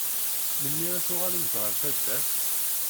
Melmi ara tuɣalemt ɣer taddart?